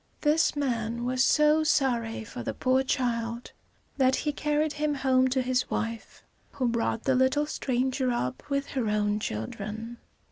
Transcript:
This man was so sorry for the poor child, that he carried him home to his wife, who brought the little stranger up with her own children.